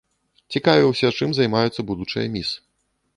Цікавіўся, чым займаюцца будучыя міс.